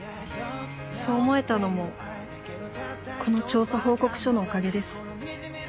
そう思えたのもこの調査報告書のおかげです。